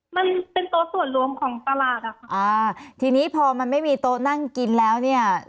มันเป็นโต๊ะส่วนรวมของตลาดอะค่ะอ่าทีนี้พอมันไม่มีโต๊ะนั่งกินแล้วเนี่ย